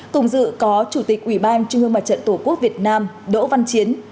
cùng dự có chủ tịch ủy ban trung ương mặt trận tổ quốc việt nam đỗ văn chiến